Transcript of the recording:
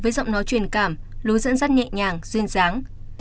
với giọng nói truyền cảm lối dẫn dắt nhẹ nhàng duyên dáng